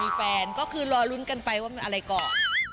มีแฟนก็คือรอลุ้นกันไปว่ามันอะไรก่อน